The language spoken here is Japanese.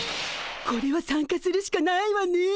これは参加するしかないわね。